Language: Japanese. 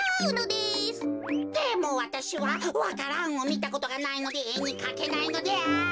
でもわたしはわか蘭をみたことがないのでえにかけないのである。